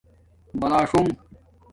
بلاݽݸنݣ